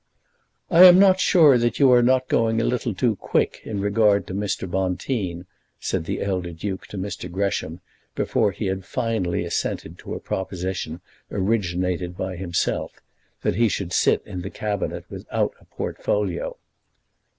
"I am not sure that you are not going a little too quick in regard to Mr. Bonteen," said the elder duke to Mr. Gresham before he had finally assented to a proposition originated by himself, that he should sit in the Cabinet without a portfolio.